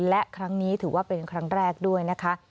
และครั้งนี้ถือว่าเป็นครั้งแรกด้วยนะคะ